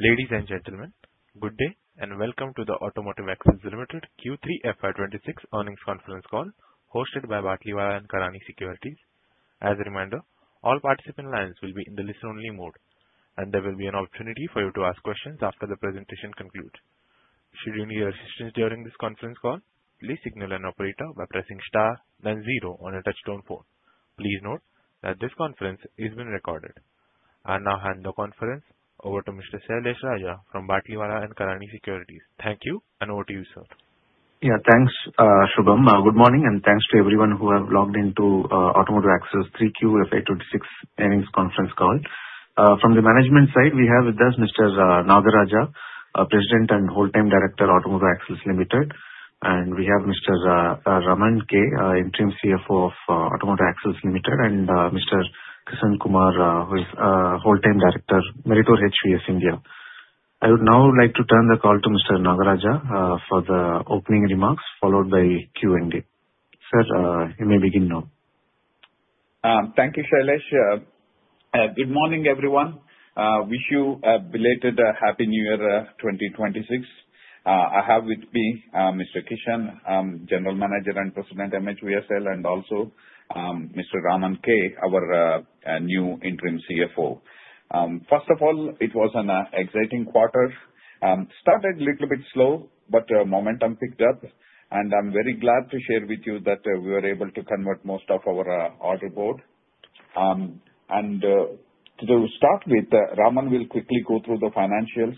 Ladies and gentlemen, good day, and welcome to the Automotive Axles Limited Q3 FY26 earnings conference call, hosted by Batlivala & Karani Securities. As a reminder, all participant lines will be in the listen-only mode, and there will be an opportunity for you to ask questions after the presentation concludes. Should you need assistance during this conference call, please signal an operator by pressing star then zero on your touchtone phone. Please note that this conference is being recorded. I now hand the conference over to Mr. Sailesh Raja from Batlivala & Karani Securities. Thank you, and over to you, sir. Yeah, thanks, Shubham. Good morning, and thanks to everyone who have logged into Automotive Axles three Q FY26 earnings conference call. From the management side, we have with us Mr. Nagaraja, President and Whole-Time Director, Automotive Axles Limited, and we have Mr. Raman K, Interim CFO of Automotive Axles Limited, and Mr. Kishan Kumar, who is Whole-Time Director, Meritor HVS India. I would now like to turn the call to Mr. Nagaraja for the opening remarks, followed by Q&A. Sir, you may begin now. Thank you, Shailesh. Good morning, everyone. Wish you a belated Happy New Year, 2026. I have with me, Mr. Kishan, General Manager and President, MHVSL, and also, Mr. Raman K, our new interim CFO. First of all, it was an exciting quarter. Started a little bit slow, but momentum picked up, and I'm very glad to share with you that we were able to convert most of our order board. To start with, Raman will quickly go through the financials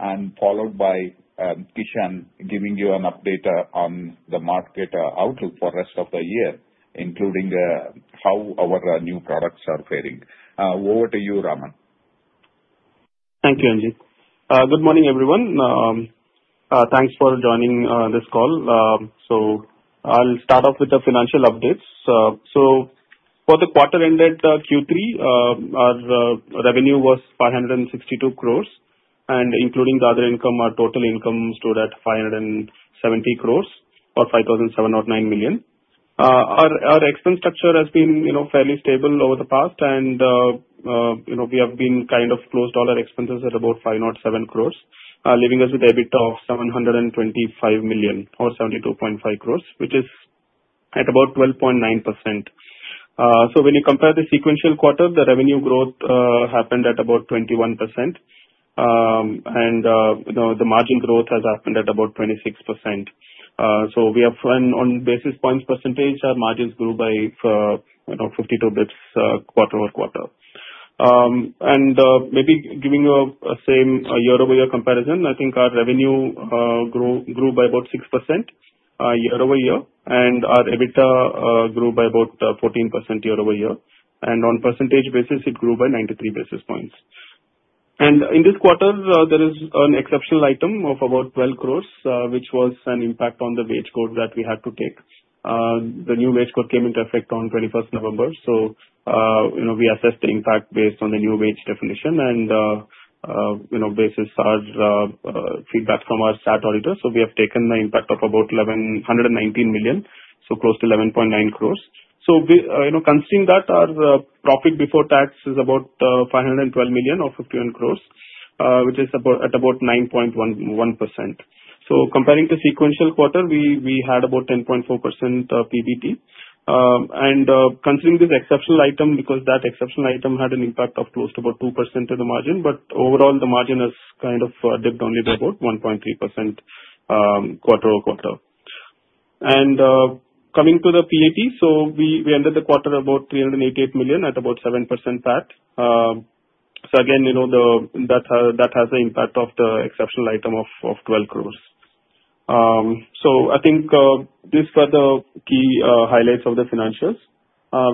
and followed by, Kishan giving you an update on the market outlook for rest of the year, including how our new products are faring. Over to you, Raman. Thank you, Niji. Good mo rning, everyone. Thanks for joining this call. So I'll start off with the financial updates. So for the quarter ended Q3, our revenue was 562 crore, and including the other income, our total income stood at 570 crore or 5,709 million. Our expense structure has been, you know, fairly stable over the past and, you know, we have been kind of close to all our expenses at about 507 crore, leaving us with EBITDA of 725 million or 72.5 crore, which is at about 12.9%. So when you compare the sequential quarter, the revenue growth happened at about 21%. you know, the margin growth has happened at about 26%. so we are front on basis points percentage, our margins grew by, you know, 52 bps, quarter-over-quarter. maybe giving you a same year-over-year comparison, I think our revenue grew by about 6%, year-over-year, and our EBITDA grew by about 14% year-over-year, and on percentage basis, it grew by 93 basis points. And in this quarter, there is an exceptional item of about 12 crore, which was an impact on the Wage Code that we had to take. The new Wage Code came into effect on 21st November, so, you know, we assessed the impact based on the new wage definition and, you know, basis our feedback from our statutory auditors. So we have taken the impact of about 119 million, so close to 11.9 crores. So we, you know, considering that, our profit before tax is about 512 million or 51 crores, which is about 9.11%. So comparing to sequential quarter, we had about 10.4%, PBT. And, considering this exceptional item, because that exceptional item had an impact of close to about 2% of the margin, but overall, the margin is kind of dipped only about 1.3%, quarter-over-quarter. Coming to the PAT, so we ended the quarter at about 388 million at about 7% PAT. So again, you know, that has the impact of the exceptional item of 12 crore. So I think these were the key highlights of the financials.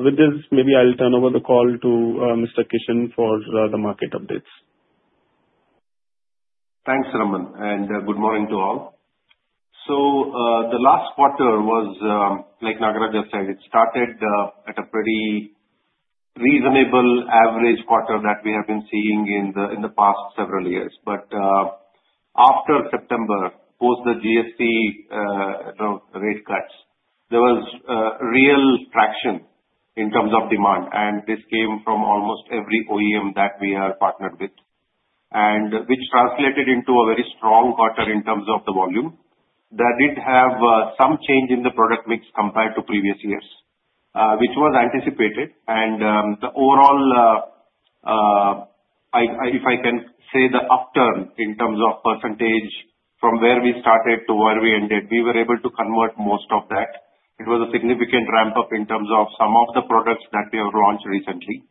With this, maybe I'll turn over the call to Mr. Kishan for the market updates. Thanks, Raman, and good morning to all. So, the last quarter was, like Nagaraj just said, it started at a pretty reasonable average quarter that we have been seeing in the, in the past several years. But, after September, post the GST, you know, rate cuts, there was real traction in terms of demand, and this came from almost every OEM that we are partnered with, and which translated into a very strong quarter in terms of the volume. That did have some change in the product mix compared to previous years, which was anticipated. And, the overall, if I can say, the upturn in terms of percentage from where we started to where we ended, we were able to convert most of that. It was a significant ramp up in terms of some of the products that we have launched recently,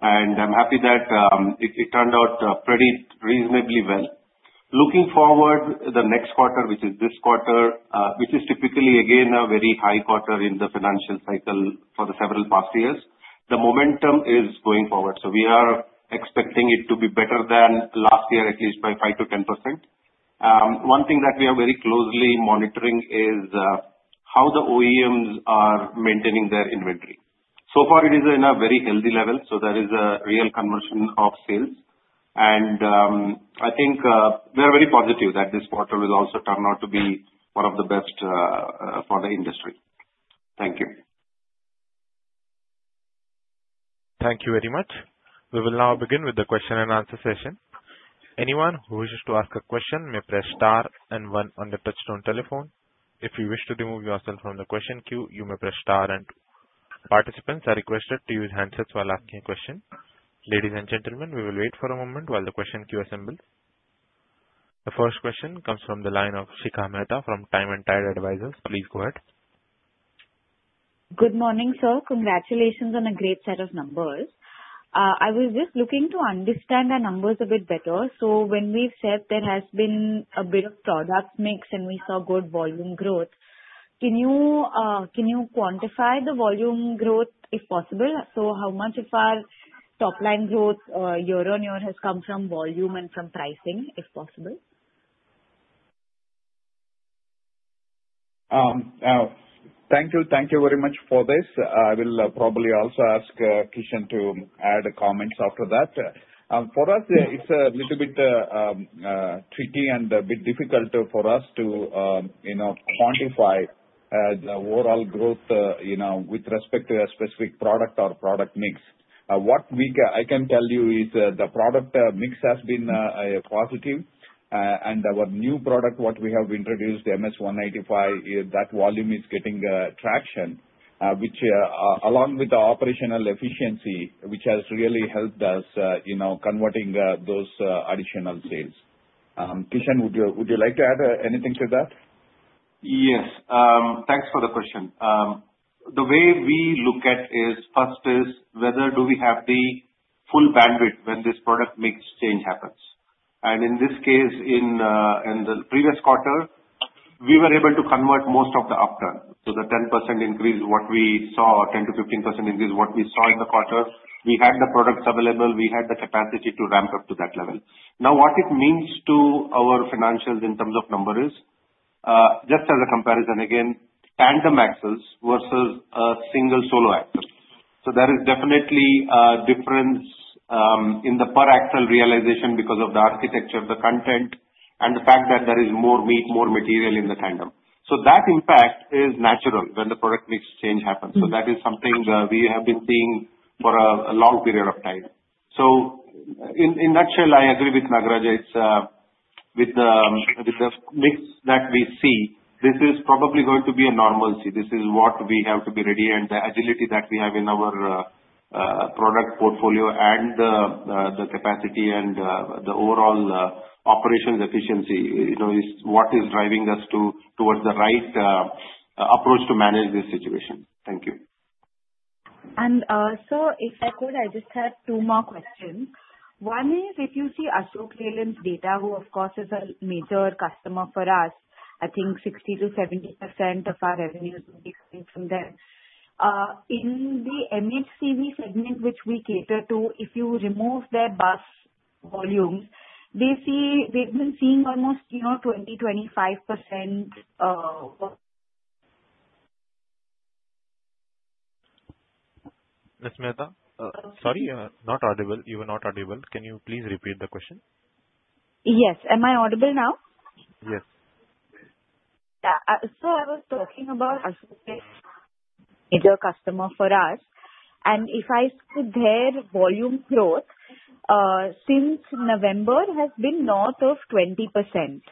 and I'm happy that it turned out pretty reasonably well. Looking forward, the next quarter, which is this quarter, which is typically again, a very high quarter in the financial cycle for the several past years, the momentum is going forward. So we are expecting it to be better than last year, at least by 5%-10%. One thing that we are very closely monitoring is how the OEMs are maintaining their inventory. So far, it is in a very healthy level, so there is a real conversion of sales, and I think we are very positive that this quarter will also turn out to be one of the best for the industry. Thank you. Thank you very much. We will now begin with the question and answer session. Anyone who wishes to ask a question may press star and one on the touchtone telephone. If you wish to remove yourself from the question queue, you may press star and two. Participants are requested to use handsets while asking a question. Ladies and gentlemen, we will wait for a moment while the question queue assembles. The first question comes from the line of Shikha Mehta from Time and Tide Advisors. Please go ahead. Good morning, sir. Congratulations on a great set of numbers. I was just looking to understand the numbers a bit better. So when we said there has been a bit of product mix and we saw good volume growth, can you quantify the volume growth if possible? So how much of our top line growth year on year has come from volume and from pricing, if possible? Thank you. Thank you very much for this. I will probably also ask Kishan to add comments after that. For us, it's a little bit tricky and a bit difficult for us to, you know, quantify the overall growth, you know, with respect to a specific product or product mix. What we can... I can tell you is, the product mix has been a positive. And our new product, what we have introduced, the MS-185, that volume is getting traction, which, along with the operational efficiency, which has really helped us, you know, converting those additional sales. Kishan, would you like to add anything to that? Yes. Thanks for the question. The way we look at is, first is, whether do we have the full bandwidth when this product mix change happens. In this case, in the previous quarter, we were able to convert most of the upturn. So the 10% increase what we saw, 10%-15% increase what we saw in the quarter, we had the products available, we had the capacity to ramp up to that level. Now, what it means to our financials in terms of numbers, just as a comparison, again, tandem axles versus single solo axles. So there is definitely a difference in the per axle realization because of the architecture of the content and the fact that there is more weight, more material in the tandem. So that impact is natural when the product mix change happens. So that is something we have been seeing for a long period of time. So in nutshell, I agree with Nagaraja. It's with the mix that we see, this is probably going to be a normalcy. This is what we have to be ready, and the agility that we have in our product portfolio and the capacity and the overall operations efficiency, you know, is what is driving us towards the right approach to manage this situation. Thank you. sir, if I could, I just have two more questions. One is, if you see Ashok Leyland's data, who of course is a major customer for us, I think 60%-70% of our revenue will be coming from them. In the MHCV segment, which we cater to, if you remove their bus volumes, they see... They've been seeing almost, you know, 20%-25%. Miss Mehta, sorry, not audible. You were not audible. Can you please repeat the question? Yes. Am I audible now? Yes. Yeah. So I was talking about Ashok Leyland, major customer for us, and if I see their volume growth since November, has been north of 20%,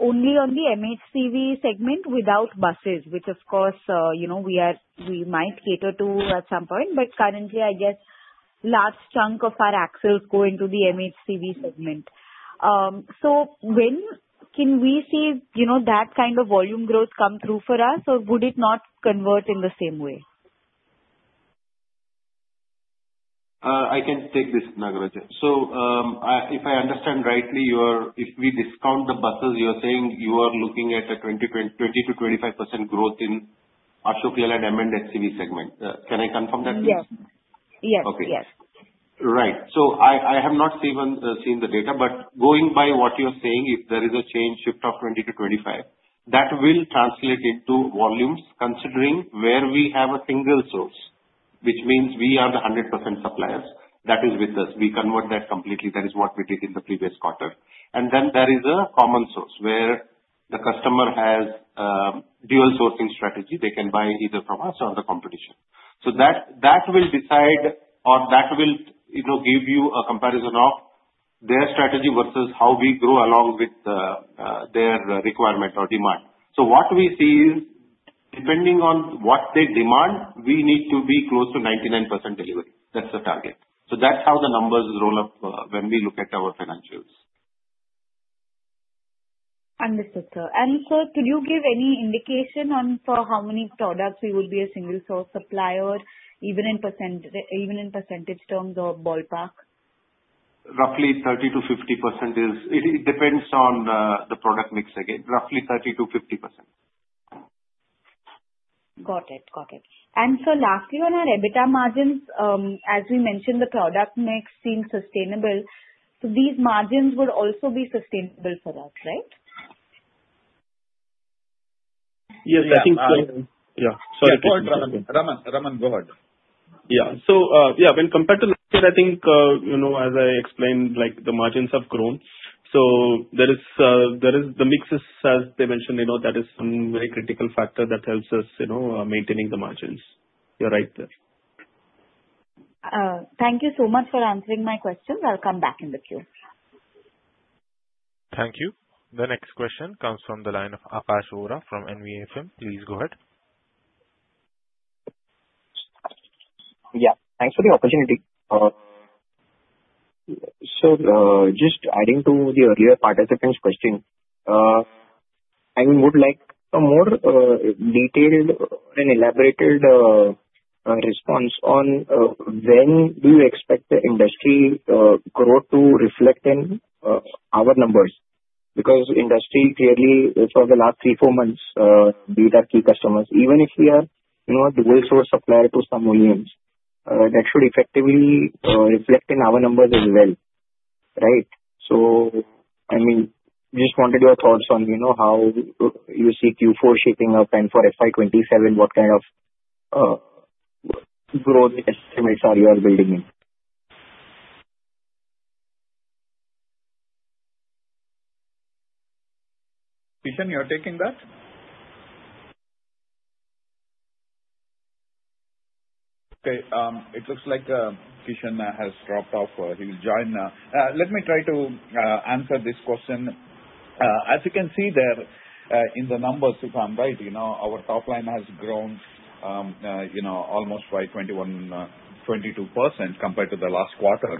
only on the MHCV segment without buses, which of course, you know, we might cater to at some point, but currently, I guess, large chunk of our axles go into the MHCV segment. So when can we see, you know, that kind of volume growth come through for us, or would it not convert in the same way? I can take this, Nagaraja. So, if I understand rightly, you are... If we discount the buses, you're saying you are looking at a 20%-25% growth in Ashok Leyland M&HCV segment. Can I confirm that please? Yes. Yes, yes. Okay. Right. So I, I have not seen seen the data, but going by what you're saying, if there is a change shift of 20-25, that will translate into volumes considering where we have a single source, which means we are the 100% suppliers. That is with us. We convert that completely. That is what we did in the previous quarter. And then there is a common source, where the customer has dual sourcing strategy. They can buy either from us or other competition. So that, that will decide or that will, it'll give you a comparison of their strategy versus how we grow along with their requirement or demand. So what we see is, depending on what they demand, we need to be close to 99% delivery. That's the target. That's how the numbers roll up, when we look at our financials. Understood, sir. Sir, could you give any indication on for how many products we will be a single source supplier, even in percent, even in percentage terms or ballpark? Roughly 30%-50% is... It depends on the product mix, again, roughly 30%-50%. Got it. Got it. Sir, lastly, on our EBITDA margins, as we mentioned, the product mix seems sustainable, so these margins would also be sustainable for us, right? Yes, I think so. Yeah. Sorry, go ahead. Go ahead, Raman. Raman, Raman, go ahead. Yeah. So, yeah, when compared to last year, I think, you know, as I explained, like, the margins have grown.... So there is, there is the mixes, as they mentioned, you know, that is some very critical factor that helps us, you know, maintaining the margins. You're right there. Thank you so much for answering my questions. I'll come back in the queue. Thank you. The next question comes from the line of Akash Vora from Envision. Please go ahead. Yeah, thanks for the opportunity. So, just adding to the earlier participant's question, I would like a more detailed and elaborated response on when do you expect the industry growth to reflect in our numbers? Because industry clearly, for the last 3-4 months, these are key customers. Even if we are, you know, the wholesale supplier to some OEMs, that should effectively reflect in our numbers as well, right? So, I mean, just wanted your thoughts on, you know, how you see Q4 shaping up, and for FY 2027, what kind of growth estimates are you building in? Kishan, you are taking that? Okay, it looks like, Kishan, has dropped off, he'll join. Let me try to answer this question. As you can see there, in the numbers, if I'm right, you know, our top line has grown, you know, almost by 21-22% compared to the last quarter.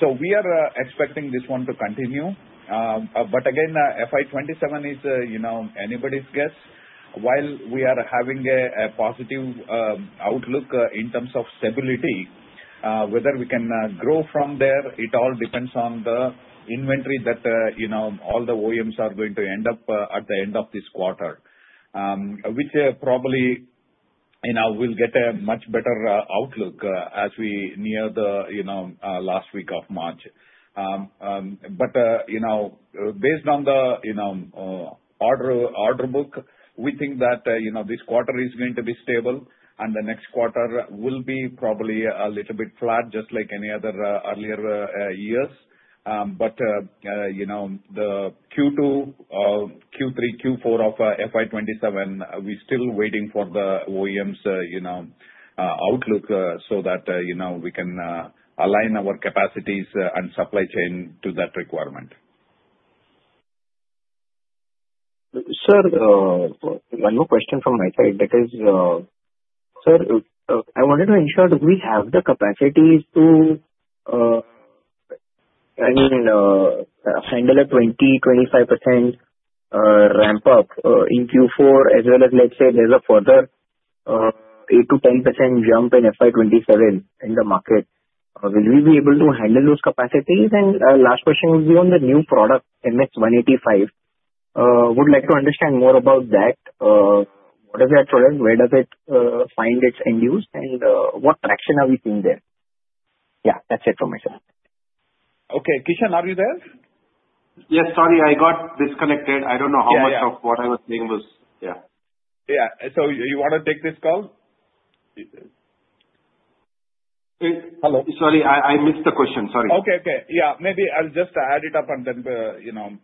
So we are expecting this one to continue. But again, FY 2027 is, you know, anybody's guess. While we are having a positive outlook, in terms of stability, whether we can grow from there, it all depends on the inventory that, you know, all the OEMs are going to end up, at the end of this quarter. Which, probably, you know, we'll get a much better outlook as we near the, you know, last week of March. But, you know, based on the, you know, order book, we think that, you know, this quarter is going to be stable, and the next quarter will be probably a little bit flat, just like any other earlier years. But, you know, the Q2, Q3, Q4 of FY 2027, we're still waiting for the OEMs, you know, outlook, so that, you know, we can align our capacities and supply chain to that requirement. Sir, one more question from my side, because, sir, I wanted to ensure that we have the capacities to, I mean, handle a 20-25% ramp up in Q4, as well as let's say there's a further 8%-10% jump in FY 2027 in the market. Will we be able to handle those capacities? And our last question will be on the new product, MS-185. Would like to understand more about that. What is that product? Where does it find its end use, and what traction are we seeing there? Yeah, that's it from my side. Okay. Kishan, are you there? Yes. Sorry, I got disconnected. Yeah, yeah. I don't know how much of what I was saying was... Yeah. Yeah. So you want to take this call? Hello. Sorry, I missed the question. Sorry. Okay, okay. Yeah, maybe I'll just add it up and then, you know...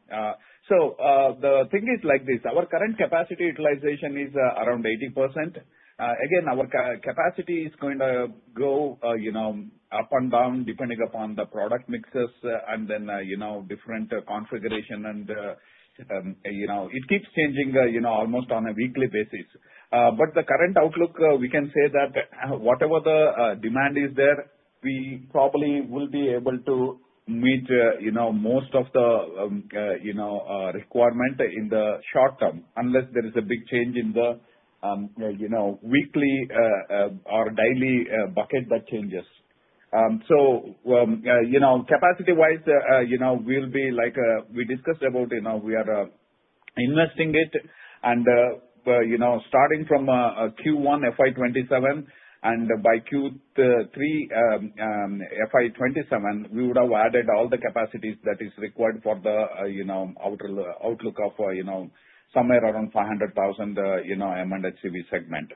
So, the thing is like this, our current capacity utilization is around 80%. Again, our capacity is going to go, you know, up and down, depending upon the product mixes, and then, you know, different configuration, and, you know, it keeps changing, you know, almost on a weekly basis. But the current outlook, we can say that, whatever the demand is there, we probably will be able to meet, you know, most of the requirement in the short term, unless there is a big change in the, you know, weekly or daily bucket that changes. So, you know, capacity-wise, you know, we'll be like, we discussed about, you know, we are investing it. And, you know, starting from Q1 FY 2027, and by Q3 FY 2027, we would have added all the capacities that is required for the, you know, our outlook of, you know, somewhere around 500,000, you know, M&HCV segment.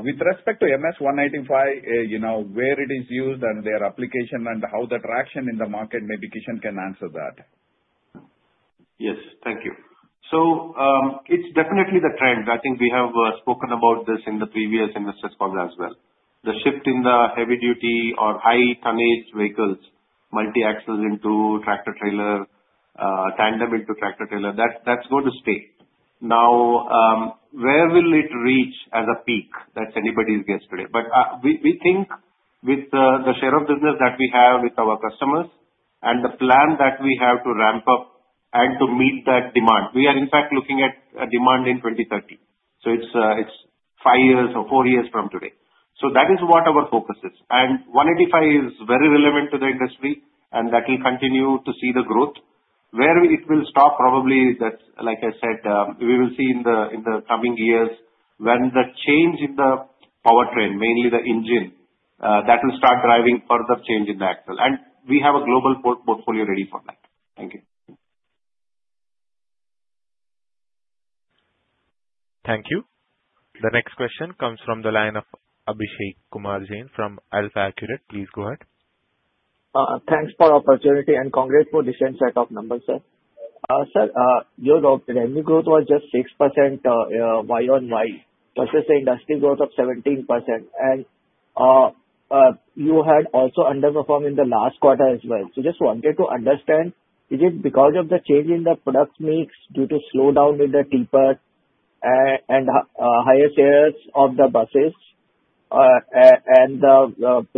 With respect to MS-185, you know, where it is used and their application and how the traction in the market, maybe Kishan can answer that. Yes. Thank you. So, it's definitely the trend. I think we have spoken about this in the previous investors call as well. The shift in the heavy duty or high tonnage vehicles, multi-axle into tractor-trailer, tandem into tractor-trailer, that's going to stay. Now, where will it reach as a peak? That's anybody's guess today. But, we think with the share of business that we have with our customers and the plan that we have to ramp up and to meet that demand, we are in fact looking at a demand in 2030. So it's five years or four years from today. So that is what our focus is. And 185 is very relevant to the industry, and that will continue to see the growth. Where it will stop, probably, that's like I said, we will see in the coming years, when the change in the powertrain, mainly the engine, that will start driving further change in the axle. And we have a global portfolio ready for that. Thank you.... Thank you. The next question comes from the line of Abhishek Kumar Jain from AlfAccurate Advisors. Please go ahead. Thanks for the opportunity, and congrats for the same set of numbers, sir. Sir, your revenue growth was just 6% Y on Y, versus the industry growth of 17%. And you had also underperformed in the last quarter as well. So just wanted to understand, is it because of the change in the product mix due to slowdown in the tipper and higher sales of the buses? And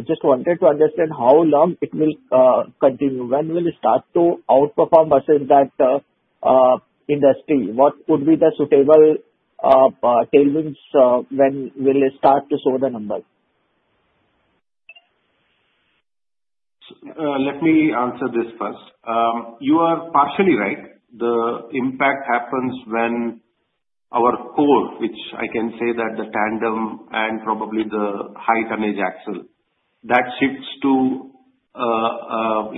just wanted to understand how long it will continue. When will you start to outperform buses that industry? What would be the suitable tailwinds, when will it start to show the numbers? Let me answer this first. You are partially right. The impact happens when our core, which I can say that the tandem and probably the high tonnage axle, that shifts to,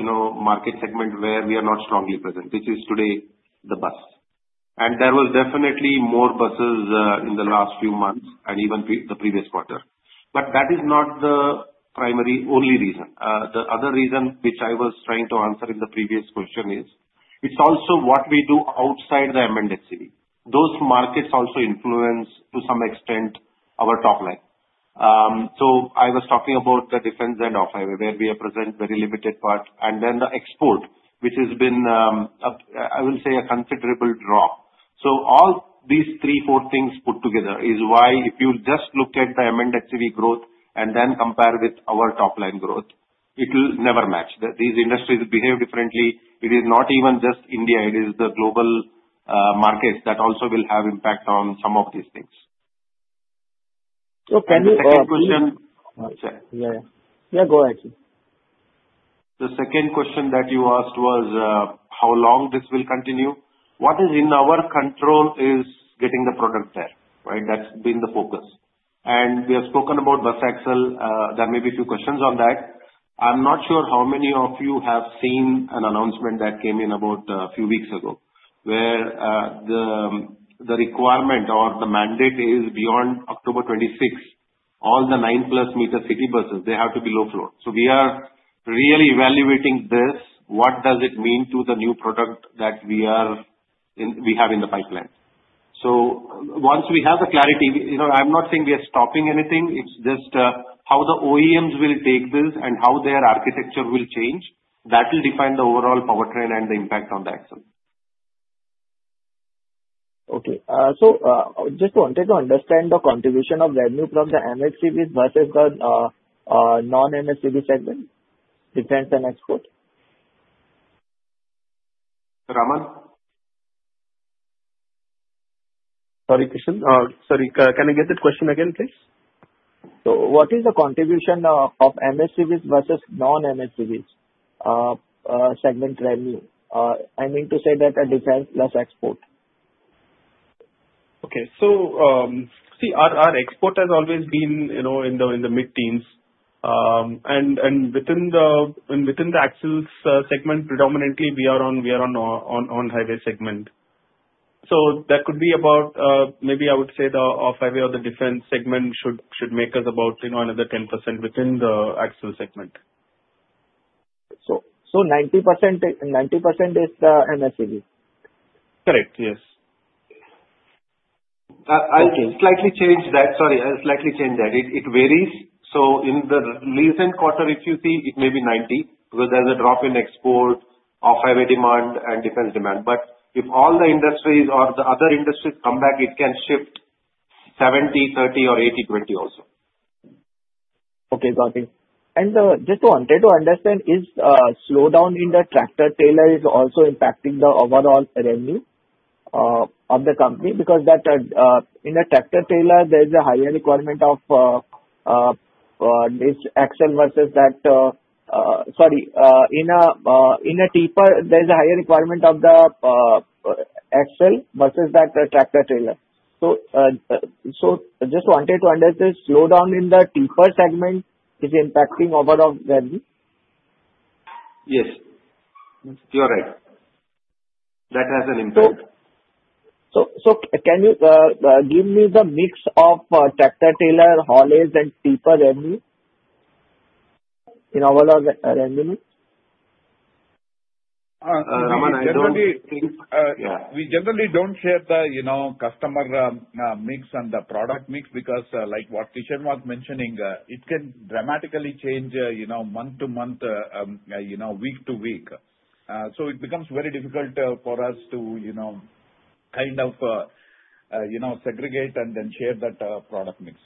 you know, market segment where we are not strongly present, which is today, the bus. And there was definitely more buses in the last few months and even pre the previous quarter. But that is not the primary, only reason. The other reason, which I was trying to answer in the previous question is, it's also what we do outside the M&HCV. Those markets also influence, to some extent, our top line. So I was talking about the defense and off-highway, where we are present very limited part, and then the export, which has been, I will say, a considerable drop. So all these three, four things put together is why if you just look at the M&HCV growth and then compare with our top line growth, it will never match. These industries behave differently. It is not even just India, it is the global markets that also will have impact on some of these things. Can you? The second question. Sorry. Yeah. Yeah, go ahead. The second question that you asked was, how long this will continue? What is in our control is getting the product there, right? That's been the focus. And we have spoken about bus axle, there may be a few questions on that. I'm not sure how many of you have seen an announcement that came in about a few weeks ago, where, the requirement or the mandate is beyond October twenty-sixth, all the nine-plus meter city buses, they have to be low floor. So we are really evaluating this. What does it mean to the new product that we are in, we have in the pipeline? So once we have the clarity, you know, I'm not saying we are stopping anything. It's just how the OEMs will take this and how their architecture will change, that will define the overall powertrain and the impact on the axle. Okay. So, just wanted to understand the contribution of revenue from the M&HCVs versus the non-M&HCV segment, defense and export. Raman? Sorry, Kishan. Sorry, can I get the question again, please? What is the contribution of MSCVs versus non-MSCVs segment revenue? I mean to say that the defense plus export. Okay. So, our export has always been, you know, in the mid-teens. And within the axles segment, predominantly, we are on the on-highway segment. So that could be about, maybe I would say the off-highway or the defense segment should make us about, you know, another 10% within the axle segment. 90% is the M&HCV? Correct, yes. I'll slightly change that. Sorry, I'll slightly change that. It varies, so in the recent quarter, if you see, it may be 90, because there's a drop in export, off-highway demand and defense demand. But if all the industries or the other industries come back, it can shift 70/30 or 80/20 also. Okay, got it. And just wanted to understand, is slowdown in the tractor-trailer also impacting the overall revenue of the company? Because that in the tractor-trailer, there is a higher requirement of this axle versus that. Sorry, in a tipper, there's a higher requirement of the axle versus that tractor-trailer. So so just wanted to understand, slowdown in the tipper segment is impacting overall revenue? Yes, you're right. That has an impact. So, can you give me the mix of tractor-trailer, haulage and tipper revenue in overall revenue? Raman, I don't- We generally, Yeah. We generally don't share the, you know, customer mix and the product mix, because, like what Kishan was mentioning, it can dramatically change, you know, month-to-month, week-to-week. So it becomes very difficult for us to, you know, kind of, segregate and then share that product mix.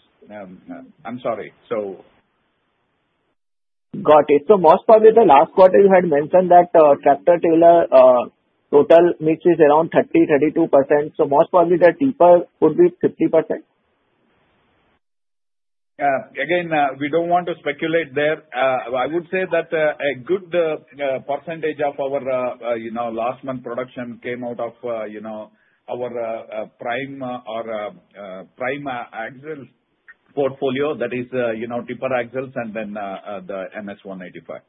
I'm sorry. So... Got it. So most probably, the last quarter you had mentioned that, tractor-trailer, total mix is around 30-32%. So most probably the tipper could be 50%? Again, we don't want to speculate there. I would say that a good percentage of our, you know, last month production came out of, you know, our prime axle portfolio. That is, you know, tipper axles and then the MS-185....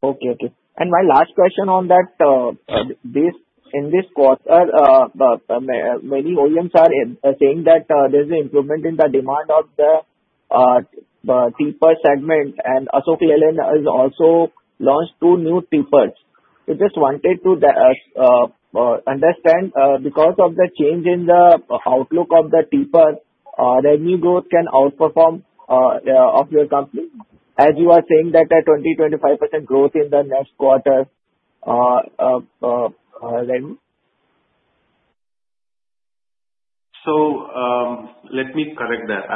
Okay, okay. And my last question on that, this, in this quarter, many OEMs are saying that there's an improvement in the demand of the tipper segment, and Ashok Leyland has also launched two new tippers. So just wanted to understand, because of the change in the outlook of the tipper, the new growth can outperform of your company, as you are saying that a 20-25% growth in the next quarter, revenue? So, let me correct that.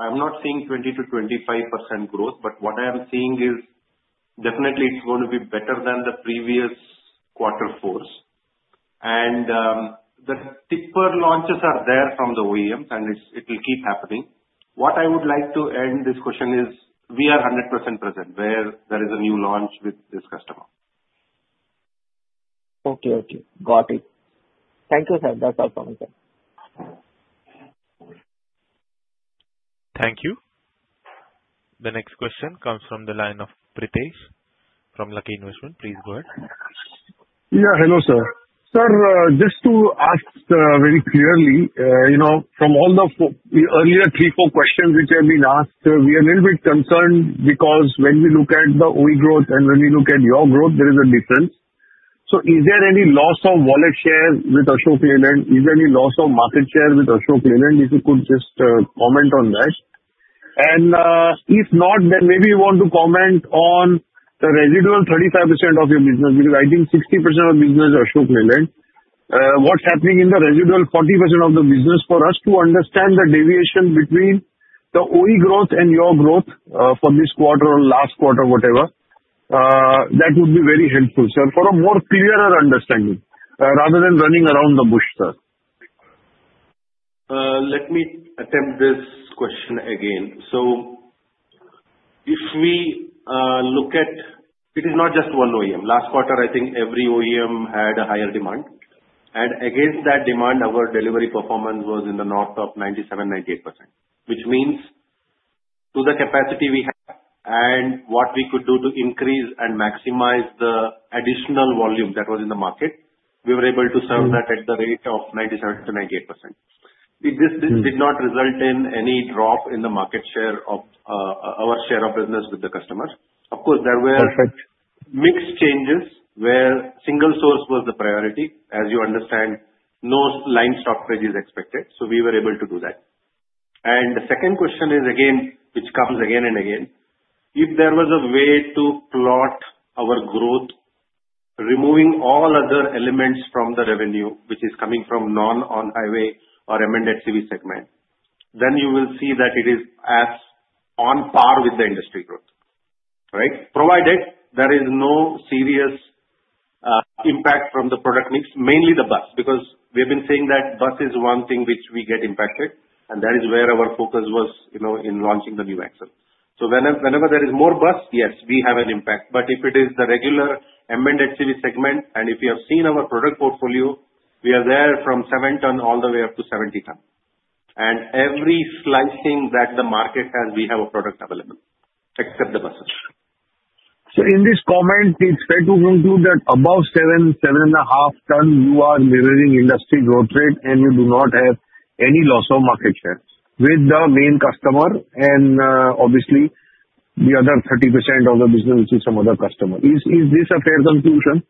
I'm not saying 20%-25% growth, but what I am saying is definitely it's going to be better than the previous quarter fours. And, the tipper launches are there from the OEM and it will keep happening. What I would like to end this question is, we are 100% present where there is a new launch with this customer. Okay, okay. Got it. Thank you, sir. That's all from me, sir. Thank you. The next question comes from the line of Pritesh from Lucky Investments. Please go ahead. Yeah, hello, sir. Sir, just to ask, very clearly, you know, from all the 4... Earlier 3, 4 questions which have been asked, we are a little bit concerned because when we look at the OE growth and when we look at your growth, there is a difference. So is there any loss of wallet share with Ashok Leyland? Is there any loss of market share with Ashok Leyland? If you could just comment on that. And, if not, then maybe you want to comment on the residual 35% of your business, because I think 60% of business is Ashok Leyland. What's happening in the residual 40% of the business? For us to understand the deviation between the OE growth and your growth, from this quarter or last quarter, whatever, that would be very helpful, sir, for a more clearer understanding, rather than running around the bush, sir. Let me attempt this question again. So if we look at... It is not just one OEM. Last quarter, I think every OEM had a higher demand, and against that demand, our delivery performance was in the north of 97%-98%. Which means to the capacity we have and what we could do to increase and maximize the additional volume that was in the market, we were able to serve- Mm-hmm. -that at the rate of 97%-98%. Mm. This, this did not result in any drop in the market share of our share of business with the customers. Of course, there were- Perfect. -mixed changes, where single source was the priority. As you understand, no line stoppage is expected, so we were able to do that. And the second question is, again, which comes again and again, if there was a way to plot our growth, removing all other elements from the revenue which is coming from non on-highway or M&HCV segment, then you will see that it is as on par with the industry growth, right? Provided there is no serious impact from the product mix, mainly the bus, because we have been saying that bus is one thing which we get impacted, and that is where our focus was, you know, in launching the new axle. So whenever there is more bus, yes, we have an impact. But if it is the regular M&HCV segment, and if you have seen our product portfolio, we are there from 7 ton all the way up to 70 ton. Every segment that the market has, we have a product available, except the buses. So in this comment, it's fair to conclude that above 7, 7.5 ton, you are mirroring industry growth rate, and you do not have any loss of market share with the main customer and, obviously, the other 30% of the business is some other customer. Is this a fair conclusion?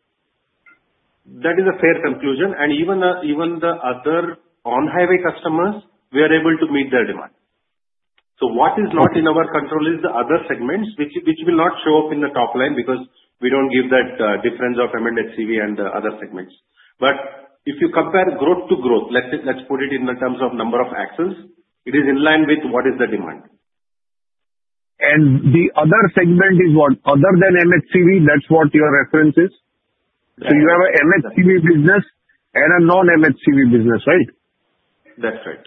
That is a fair conclusion. Even the other on-highway customers, we are able to meet their demand. Okay. So what is not in our control is the other segments, which will not show up in the top line because we don't give that difference of M&HCV and the other segments. But if you compare growth-to-growth, let's put it in the terms of number of axles, it is in line with what is the demand. The other segment is what? Other than MHCV, that's what your reference is? Right. You have a MHCV business and a non-MHCV business, right? That's right.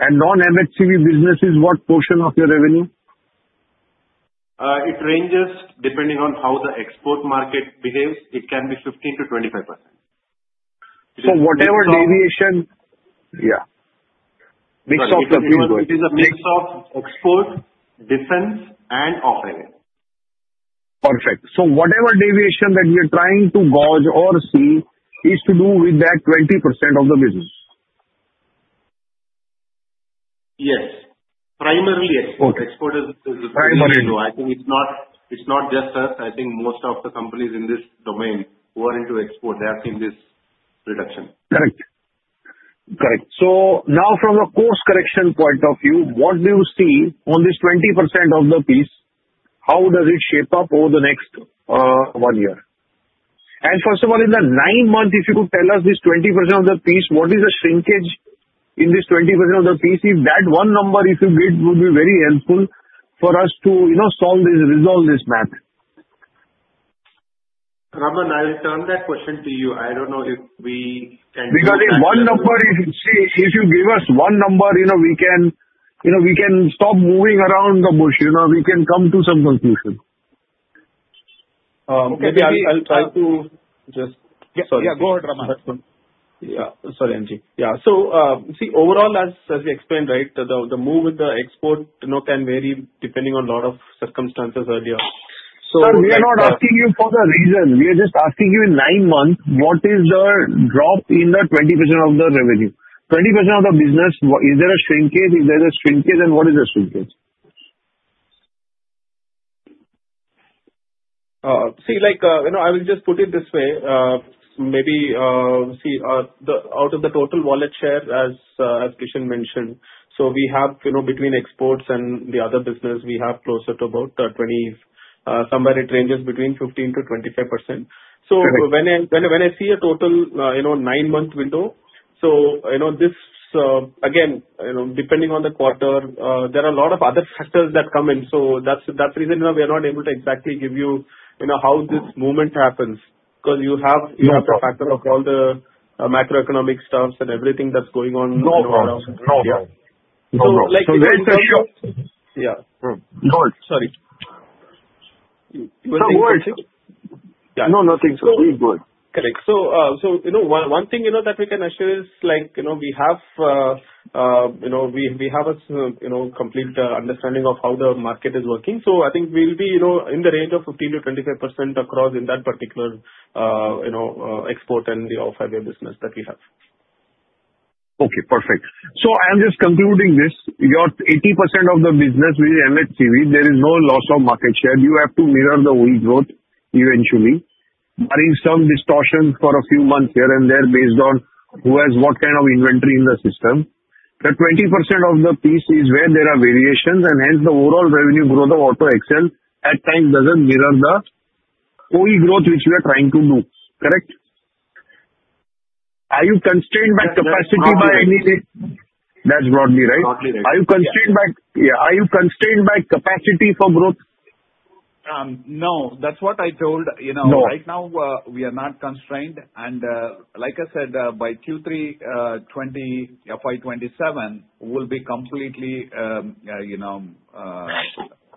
Non-MHCV business is what portion of your revenue? It ranges depending on how the export market behaves. It can be 15%-25%. So whatever deviation- It's a mix of- Yeah. Mix of the two- It is a mix of export, defense, and off-road. Perfect. So whatever deviation that we are trying to gauge or see, is to do with that 20% of the business? Yes, primarily export. Okay. Export is Primarily. I think it's not, it's not just us. I think most of the companies in this domain who are into export, they are seeing this reduction. Correct. Correct. So now from a course correction point of view, what do you see on this 20% of the piece? How does it shape up over the next one year? And first of all, in the nine months, if you could tell us this 20% of the piece, what is the shrinkage in this 20% of the piece? If that one number, if you give, would be very helpful for us to, you know, solve this, resolve this math. Raman, I'll return that question to you. I don't know if we can give that- Because if you give us one number, you know, we can, you know, we can stop moving around the bush, you know, we can come to some conclusion. Maybe I'll try to just... Yeah, yeah, go ahead, Raman.... Yeah. Sorry, MJ. Yeah, so, see, overall, as we explained, right, the move with the export, you know, can vary depending on lot of circumstances earlier. So- Sir, we are not asking you for the reason. We are just asking you in nine months, what is the drop in the 20% of the revenue? 20% of the business, is there a shrinkage? If there's a shrinkage, then what is the shrinkage? See, like, you know, I will just put it this way, maybe, see, the out of the total wallet share, as, as Kishan mentioned, so we have, you know, between exports and the other business, we have closer to about 20, somewhere it ranges between 15%-25%. Correct. So when I see a total, you know, nine-month window, so you know, this again, you know, depending on the quarter, there are a lot of other factors that come in. So that's the reason, you know, we are not able to exactly give you, you know, how this movement happens. Because you have- Yes. You have the factor of all the, macroeconomic stuffs and everything that's going on. No problem. No problem. Yeah. No problem. So, like- So let me tell you. Yeah. No. Sorry. No worries. Yeah. No, no, things are really good. Correct. So, so you know, one thing you know, that we can assure is like, you know, we have, you know, we have a complete understanding of how the market is working. So I think we'll be, you know, in the range of 15%-25% across in that particular, you know, export and the off-highway business that we have. Okay, perfect. So I'm just concluding this. Your 80% of the business with M&HCV, there is no loss of market share. You have to mirror the OE growth eventually, bringing some distortions for a few months here and there, based on who has what kind of inventory in the system. The 20% of the piece is where there are variations, and hence the overall revenue growth of Auto Axle at times doesn't mirror the OE growth which we are trying to do, correct? Are you constrained by capacity by- That's broadly right. That's broadly right? Broadly right. Are you constrained by... Yeah. Are you constrained by capacity for growth? No. That's what I told, you know. No. Right now, we are not constrained, and, like I said, by Q3 FY 2027, we'll be completely, you know,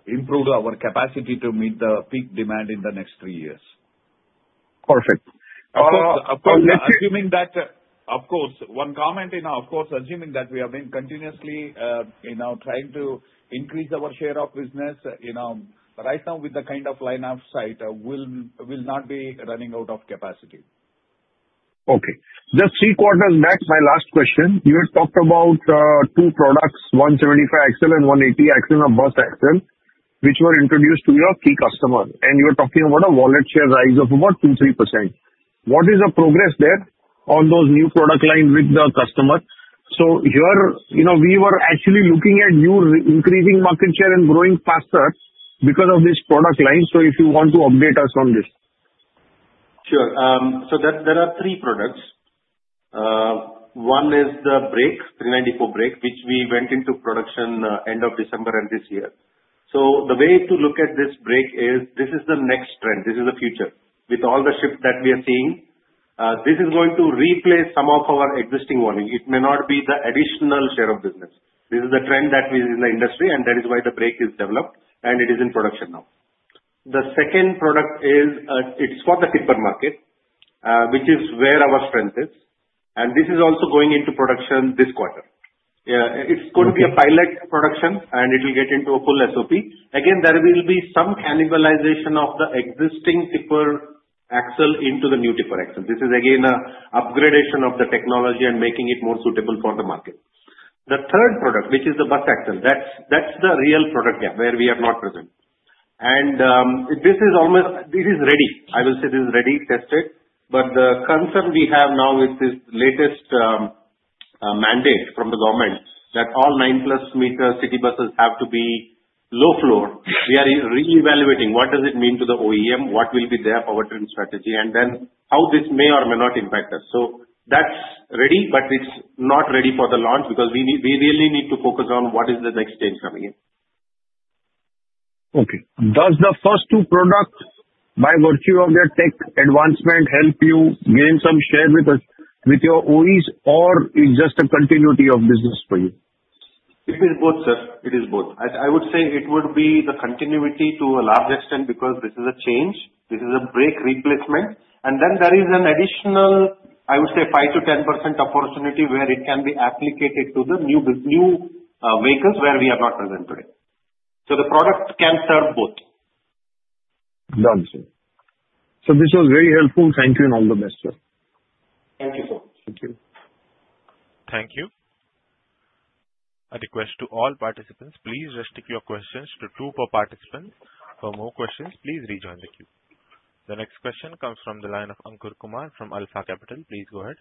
improve our capacity to meet the peak demand in the next three years. Perfect. Of course, assuming that, of course, one comment, you know, of course, assuming that we have been continuously, you know, trying to increase our share of business, you know, right now with the kind of line of sight, we'll, we'll not be running out of capacity. Okay. Just 3 quarters back, my last question, you had talked about two products, 175 axle and 180 axle and bus axle, which were introduced to your key customer, and you were talking about a wallet share rise of about 2-3%. What is the progress there on those new product line with the customer? So here, you know, we were actually looking at you re-increasing market share and growing faster because of this product line. So if you want to update us on this. Sure. So there are three products. One is the brakes, 394 brakes, which we went into production end of December this year. So the way to look at this brake is, this is the next trend, this is the future. With all the shifts that we are seeing, this is going to replace some of our existing volume. It may not be the additional share of business. This is the trend that is in the industry, and that is why the brake is developed, and it is in production now. The second product is, it's for the tipper market, which is where our strength is, and this is also going into production this quarter. Okay. It's going to be a pilot production, and it will get into a full SOP. Again, there will be some cannibalization of the existing tipper axle into the new tipper axle. This is again, an upgradation of the technology and making it more suitable for the market. The third product, which is the bus axle, that's the real product gap where we are not present. And this is almost... This is ready. I will say this is ready, tested, but the concern we have now with this latest mandate from the government, that all 9-plus meter city buses have to be low floor. Yeah. We are re-evaluating what does it mean to the OEM, what will be their powertrain strategy, and then how this may or may not impact us. That's ready, but it's not ready for the launch because we need, we really need to focus on what is the next stage coming in. Okay. Does the first two products, by virtue of their tech advancement, help you gain some share with the, with your OEs, or it's just a continuity of business for you? It is both, sir. It is both. I, I would say it would be the continuity to a large extent because this is a change, this is a brake replacement. And then there is an additional, I would say, 5%-10% opportunity where it can be applied to the new bus, new vehicles, where we are not present today. So the product can serve both. Done, sir. This was very helpful. Thank you, and all the best, sir. Thank you, sir. Thank you. Thank you. A request to all participants, please restrict your questions to two per participant. For more questions, please rejoin the queue. The next question comes from the line of Ankur Kumar from Alpha Capital. Please go ahead.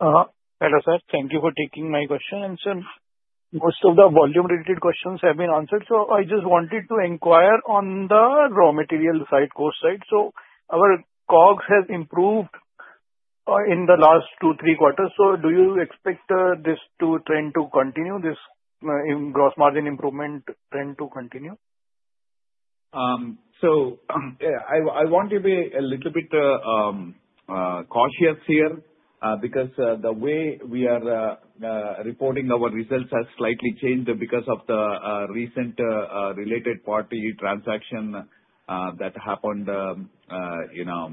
Hello, sir. Thank you for taking my question. Sir, most of the volume-related questions have been answered, so I just wanted to inquire on the raw material side, cost side. Our COGS has improved in the last two, three quarters. Do you expect this to trend to continue, this in gross margin improvement trend to continue?... So, I want to be a little bit cautious here, because the way we are reporting our results has slightly changed because of the recent related party transaction that happened, you know,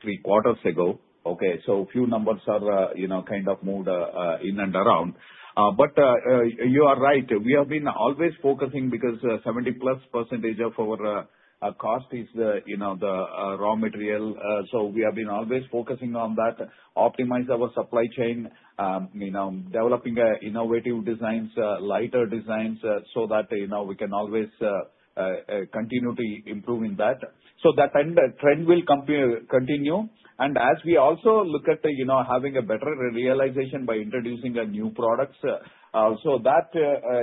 three quarters ago, okay? So a few numbers are, you know, kind of moved in and around. But you are right. We have been always focusing because 70+% of our cost is the, you know, the raw material. So we have been always focusing on that, optimize our supply chain, you know, developing innovative designs, lighter designs, so that, you know, we can always continue to improving that. So that trend will continue, and as we also look at, you know, having a better realization by introducing the new products, so that,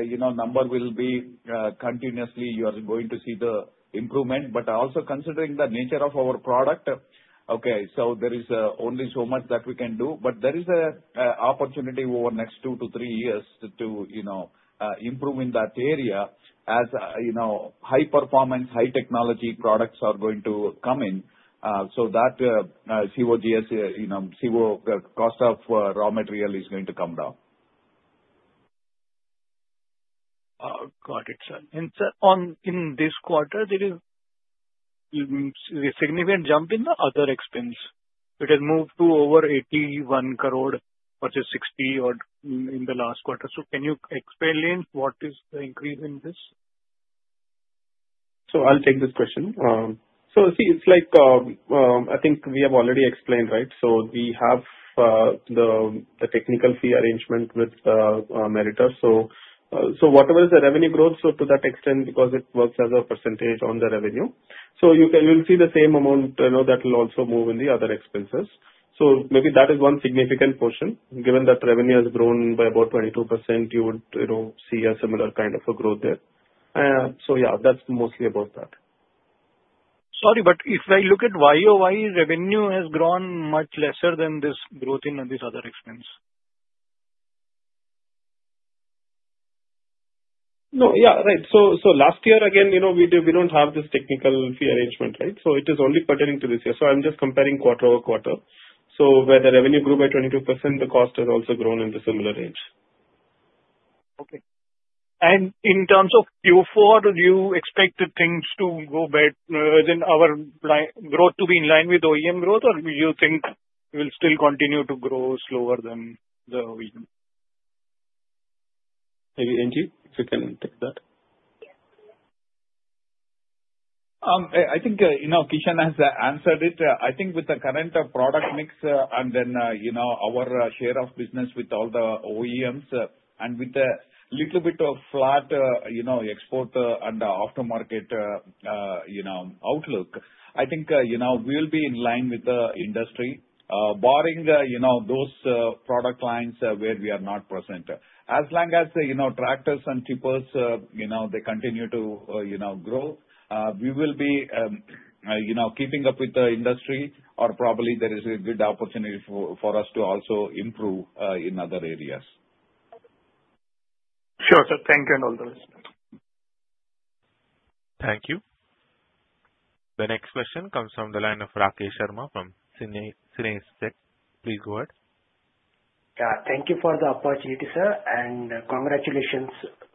you know, number will be continuously, you are going to see the improvement, but also considering the nature of our product. Okay, so there is only so much that we can do, but there is a opportunity over the next 2-3 years to, you know, improve in that area as, you know, high performance, high technology products are going to come in. So that COGS, you know, cost of raw material is going to come down. Got it, sir. And, sir, in this quarter, there is a significant jump in the other expense. It has moved to over 81 crore versus 60 or so in the last quarter. So can you explain what is the increase in this? So I'll take this question. So see, it's like, I think we have already explained, right? So we have the technical fee arrangement with Meritor. So whatever is the revenue growth, so to that extent, because it works as a percentage on the revenue. So you'll see the same amount, you know, that will also move in the other expenses. So maybe that is one significant portion. Given that revenue has grown by about 22%, you would, you know, see a similar kind of a growth there. So yeah, that's mostly about that. Sorry, but if I look at Y-o-Y, revenue has grown much lesser than this growth in this other expense. No, yeah, right. So last year, again, you know, we don't have this technical fee arrangement, right? So it is only pertaining to this year. So I'm just comparing quarter-over-quarter. So where the revenue grew by 22%, the cost has also grown in the similar range. Okay. In terms of Q4, do you expect the things to go back, then our line growth to be in line with OEM growth? Or do you think we'll still continue to grow slower than the OEM? Maybe, NG, if you can take that. I think, you know, Kishan has answered it. I think with the current product mix, and then, you know, our share of business with all the OEMs, and with a little bit of flat, you know, export, and aftermarket, you know, outlook, I think, you know, we'll be in line with the industry. Barring, you know, those product lines where we are not present. As long as, you know, tractors and tippers, you know, they continue to, you know, grow, we will be, you know, keeping up with the industry or probably there is a good opportunity for us to also improve in other areas. Sure, sir. Thank you, and all the best. Thank you. The next question comes from the line of Rakesh Sharma from Sine Tech. Please go ahead. Yeah, thank you for the opportunity, sir, and congratulations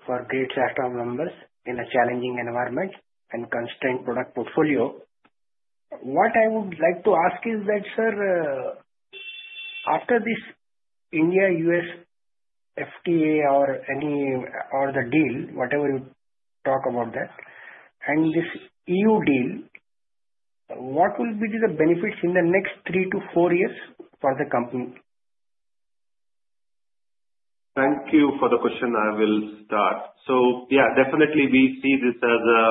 for great strong numbers in a challenging environment and constrained product portfolio. What I would like to ask is that, sir, after this India-US FTA or any, or the deal, whatever you talk about that, and this EU deal, what will be the benefits in the next 3-4 years for the company? Thank you for the question. I will start. So yeah, definitely we see this as a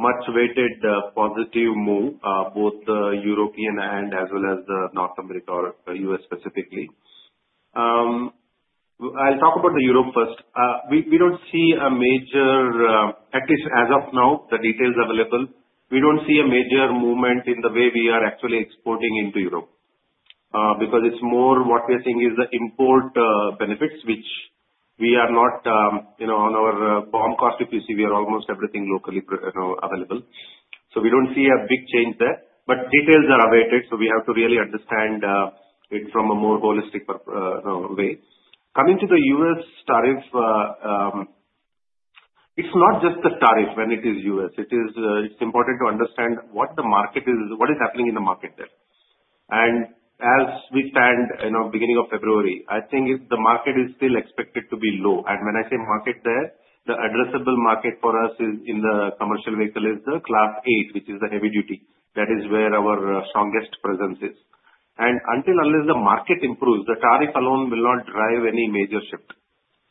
much awaited positive move, both the European and as well as the North America or the US specifically. I'll talk about Europe first. We don't see a major, at least as of now, the details available, we don't see a major movement in the way we are actually exporting into Europe, because it's more what we are seeing is the import benefits, which we are not, you know, on our BOM cost, if you see, we are almost everything locally you know, available. So we don't see a big change there. But details are awaited, so we have to really understand it from a more holistic perspective. Coming to the U.S. tariff, it's not just the tariff when it is U.S., it is, it's important to understand what the market is, what is happening in the market there. And as we stand, you know, beginning of February, I think it, the market is still expected to be low. And when I say market there, the addressable market for us is in the commercial vehicle, is the Class 8, which is the heavy duty. That is where our strongest presence is. And until unless the market improves, the tariff alone will not drive any major shift.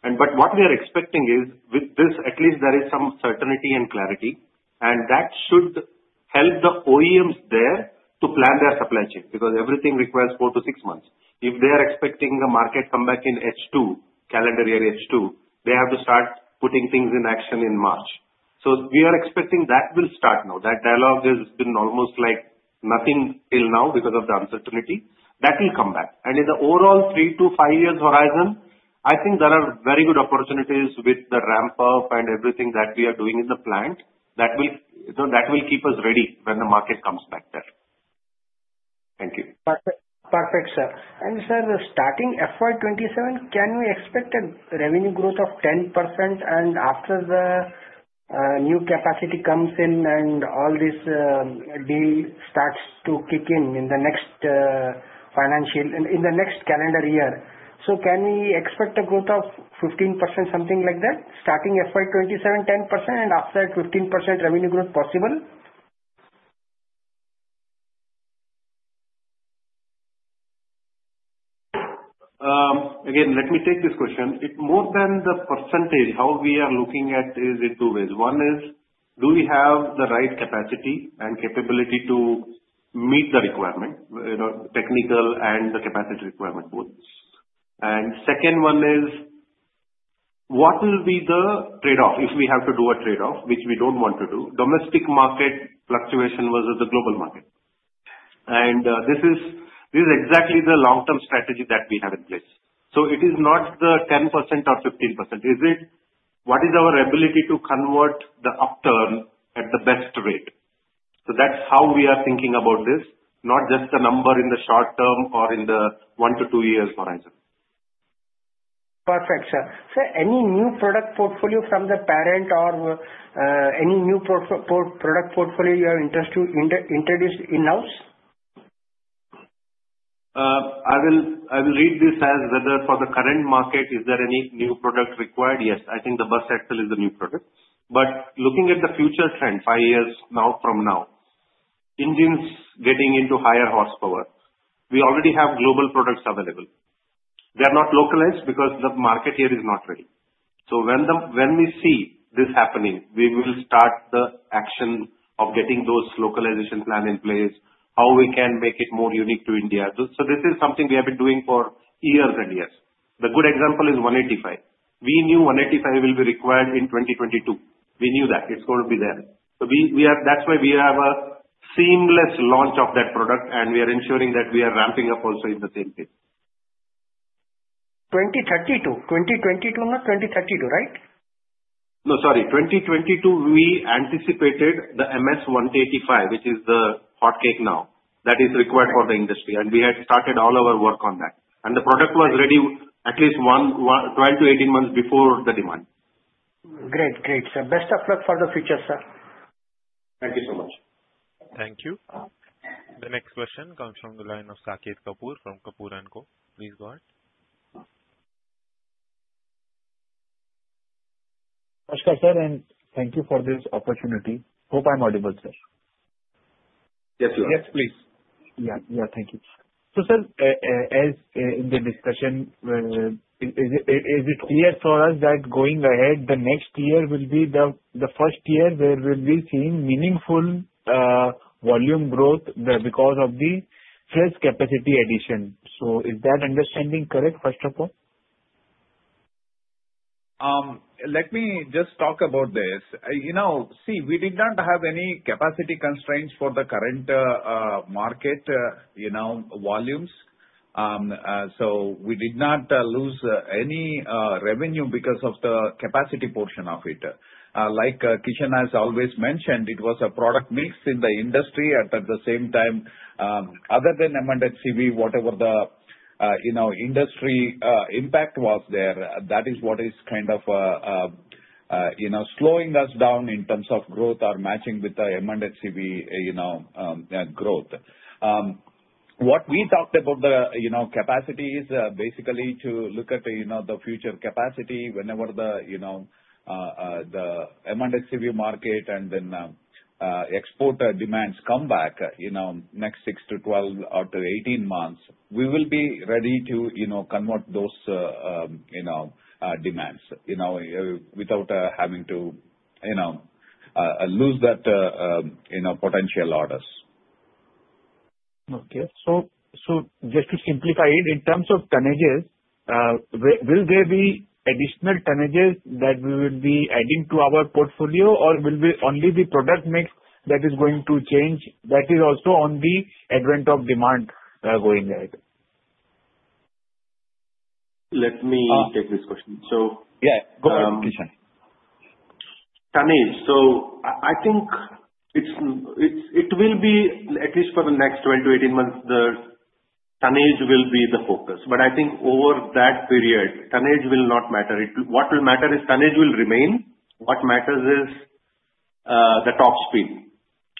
And but what we are expecting is, with this, at least there is some certainty and clarity, and that should help the OEMs there to plan their supply chain, because everything requires 4-6 months. If they are expecting a market comeback in H2, calendar year H2, they have to start putting things in action in March. So we are expecting that will start now. That dialogue has been almost like nothing till now because of the uncertainty. That will come back. And in the overall three to five years horizon, I think there are very good opportunities with the ramp up and everything that we are doing in the plant, that will, so that will keep us ready when the market comes back there. Thank you. Perfect. Perfect, sir. And sir, starting FY 2027, can we expect a revenue growth of 10% and after the new capacity comes in and all this deal starts to kick in in the next financial, in the next calendar year? So can we expect a growth of 15%, something like that, starting FY 2027, 10%, and after 15% revenue growth possible? Again, let me take this question. It more than the percentage, how we are looking at is in two ways. One is, do we have the right capacity and capability to meet the requirement, you know, technical and the capacity requirement both? And second one is, what will be the trade-off if we have to do a trade-off, which we don't want to do, domestic market fluctuation versus the global market. And, this is, this is exactly the long-term strategy that we have in place. So it is not the 10% or 15%. Is it, what is our ability to convert the upturn at the best rate? So that's how we are thinking about this, not just the number in the short term or in the 1-2 years horizon. Perfect, sir. Sir, any new product portfolio from the parent or, any new product portfolio you are interested to introduce in-house? I will, I will read this as whether for the current market, is there any new product required? Yes, I think the bus axle is a new product. But looking at the future trend, 5 years from now, engines getting into higher horsepower. We already have global products available. They are not localized because the market here is not ready. So when we see this happening, we will start the action of getting those localization plan in place, how we can make it more unique to India. So this is something we have been doing for years and years. The good example is 185. We knew 185 will be required in 2022. We knew that, it's going to be there. So we are. That's why we have a seamless launch of that product, and we are ensuring that we are ramping up also in the same pace. 2032. 2022, not 2032, right? No, sorry. 2022, we anticipated the MS-185, which is the hotcake now, that is required for the industry, and we had started all our work on that. The product was ready at least 12-18 months before the demand. Great. Great, sir. Best of luck for the future, sir. Thank you so much. Thank you. The next question comes from the line of Saket Kapoor from Kapoor & Co. Please go ahead. Hi, sir, and thank you for this opportunity. Hope I'm audible, sir. Yes, you are. Yes, please. Yeah, yeah. Thank you. So, sir, as in the discussion, is it clear for us that going ahead, the next year will be the first year where we'll be seeing meaningful volume growth because of the fresh capacity addition? So is that understanding correct, first of all? Let me just talk about this. You know, see, we did not have any capacity constraints for the current market, you know, volumes. So we did not lose any revenue because of the capacity portion of it. Like, Kishan has always mentioned, it was a product mix in the industry, at the same time, other than M&HCV, whatever the, you know, industry impact was there, that is what is kind of, you know, slowing us down in terms of growth or matching with the M&HCV, you know, growth. What we talked about the, you know, capacities, basically to look at, you know, the future capacity whenever the, you know, the M&HCV market and then export demands come back, you know, next 6-12 or 18 months, we will be ready to, you know, convert those, you know, demands, you know, without having to, you know, lose that, you know, potential orders. Okay. So just to simplify, in terms of tonnages, will there be additional tonnages that we will be adding to our portfolio? Or will be only the product mix that is going to change, that is also on the advent of demand, going ahead? Let me- Uh. Take this question. So- Yeah, go ahead, Kishan. Tonnage. So I think it will be at least for the next 12-18 months, the tonnage will be the focus. But I think over that period, tonnage will not matter. What will matter is tonnage will remain. What matters is the top speed,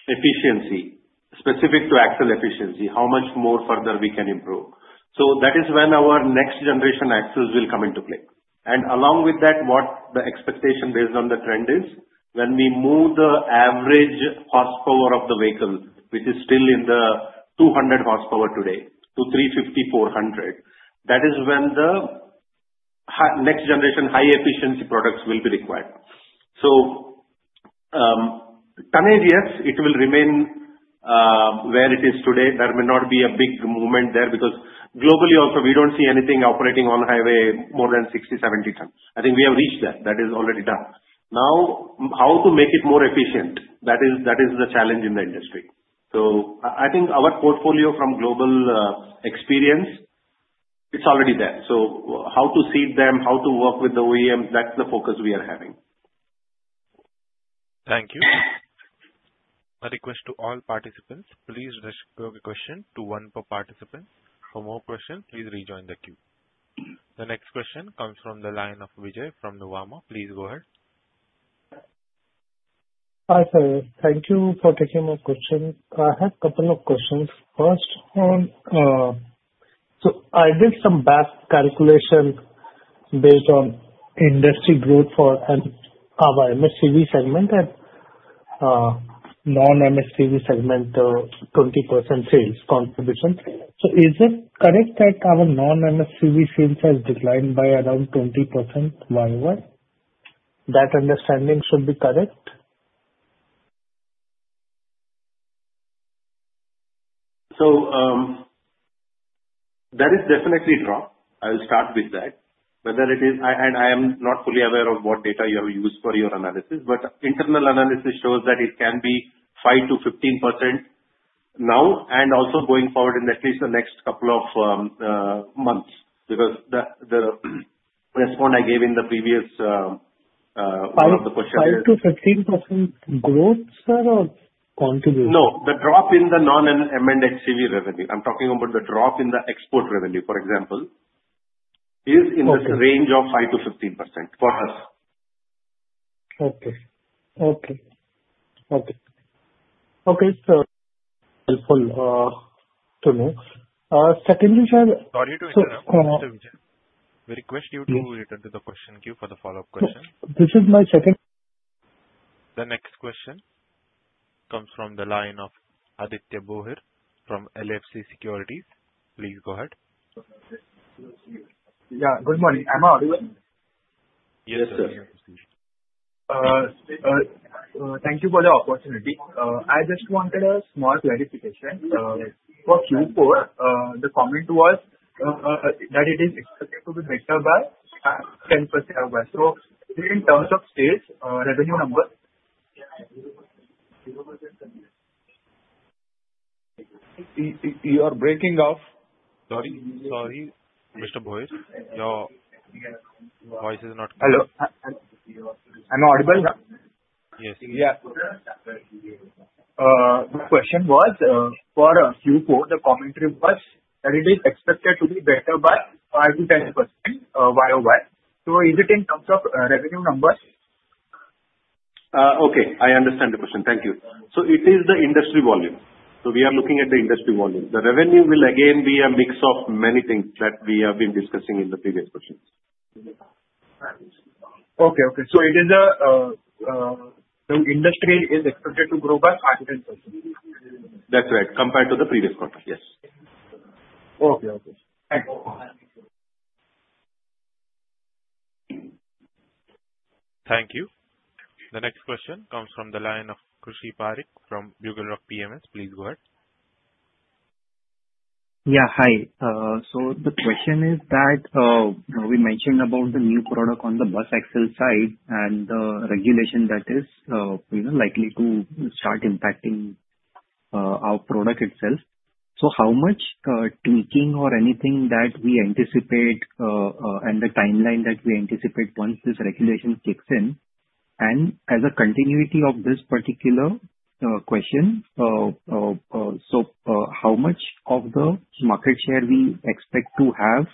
efficiency, specific to axle efficiency, how much more further we can improve. So that is when our next generation axles will come into play. And along with that, what the expectation based on the trend is, when we move the average horsepower of the vehicle, which is still in the 200 horsepower today, to 350, 400, that is when the next generation high-efficiency products will be required. So, tonnage, yes, it will remain where it is today. There may not be a big movement there, because globally also, we don't see anything operating on highway more than 60-70 tons. I think we have reached there. That is already done. Now, how to make it more efficient, that is the challenge in the industry. So, I think our portfolio from global experience, it's already there. So, how to seed them, how to work with the OEM, that's the focus we are having. Thank you. A request to all participants, please restrict your question to one per participant. For more questions, please rejoin the queue. The next question comes from the line of Vijay from Nuvama. Please go ahead. Hi, sir. Thank you for taking my question. I have couple of questions. First on, so I did some back calculation based on industry growth for an, our MHCV segment and, non-MHCV segment, 20% sales contribution. So is it correct that our non-MHCV sales has declined by around 20% year-over-year? That understanding should be correct? So, there is definitely drop, I'll start with that. Whether it is... I, and I am not fully aware of what data you have used for your analysis, but internal analysis shows that it can be 5%-15% now, and also going forward in at least the next couple of months. Because the response I gave in the previous one of the questions- 5, 5%-15% growth, sir, or contribution? No, the drop in the non-M&HCV revenue. I'm talking about the drop in the export revenue, for example, is in the- Okay. range of 5%-15% for us. Okay. Okay. Okay. Okay, sir. Helpful to know. Secondly, sir. Sorry to interrupt, Mr. Vijay. We request you to- Yes. Return to the question queue for the follow-up question. This is my second- The next question comes from the line of Aditya Bhoir from LKP Securities. Please go ahead. Yeah, good morning. Am I audible? Yes, sir. Thank you for the opportunity. I just wanted a small clarification. For Q4, the comment was that it is expected to be better by 10% year-over-year. So in terms of sales revenue numbers? You are breaking off. Sorry. Sorry, Mr. Bhoir, your voice is not clear. Hello? I, I'm audible now? Yes. Yeah. The question was, for Q4, the commentary was that it is expected to be better by 5%-10%, year-over-year. So is it in terms of revenue numbers? Okay. I understand the question. Thank you. It is the industry volume. We are looking at the industry volume. The revenue will again be a mix of many things that we have been discussing in the previous questions. Okay, okay. So it is a, the industry is expected to grow by 5%-10%? That's right. Compared to the previous quarter, yes. Okay, okay. Thank you. Thank you. The next question comes from the line of Khushi Parekh from Abakkus PMS. Please go ahead. Yeah, hi. So the question is that we mentioned about the new product on the bus axle side, and the regulation that is, you know, likely to start impacting our product itself. So how much tweaking or anything that we anticipate, and the timeline that we anticipate once this regulation kicks in? And as a continuity of this particular question, so how much of the market share we expect to have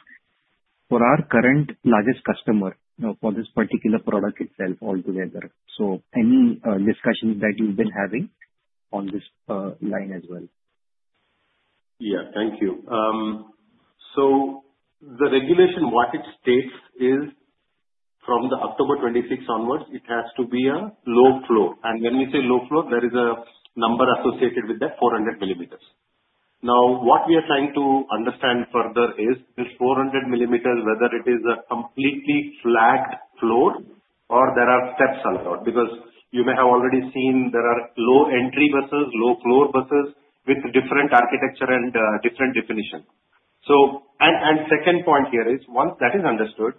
for our current largest customer for this particular product itself altogether? So any discussions that you've been having on this line as well. Yeah. Thank you. So the regulation, what it states is from October 2026 onwards, it has to be a low floor. And when we say low floor, there is a number associated with that, 400 millimeters. Now, what we are trying to understand further is, this 400 millimeters, whether it is a completely flat floor or there are steps involved. Because you may have already seen there are low-entry buses, low-floor buses with different architecture and different definitions. So, second point here is, once that is understood,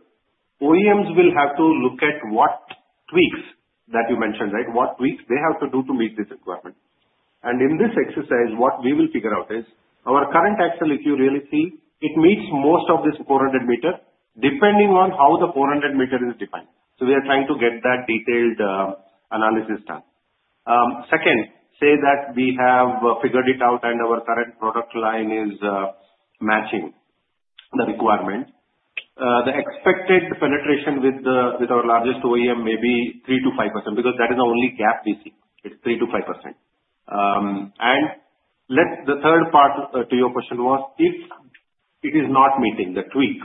OEMs will have to look at what tweaks that you mentioned, right? What tweaks they have to do to meet this requirement. And in this exercise, what we will figure out is, our current axle, if you really see, it meets most of this 400 millimeters, depending on how the 400 millimeters is defined. So we are trying to get that detailed analysis done. Second, say that we have figured it out, and our current product line is matching the requirement. The expected penetration with our largest OEM may be 3%-5%, because that is the only gap we see, it's 3%-5%. The third part to your question was, if it is not meeting the tweak,